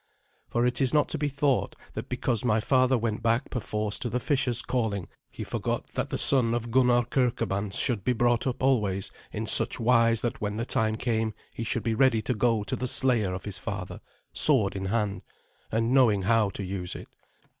For it is not to be thought that because my father went back perforce to the fisher's calling he forgot that the son of Gunnar Kirkeban should be brought up always in such wise that when the time came he should be ready to go to the slayer of his father, sword in hand, and knowing how to use it.